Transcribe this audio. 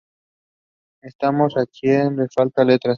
¿ estamos? ¿ a quien le faltan letras?